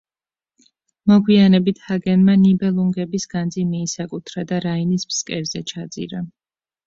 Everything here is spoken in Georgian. მოგვიანებით ჰაგენმა ნიბელუნგების განძი მიისაკუთრა და რაინის ფსკერზე ჩაძირა.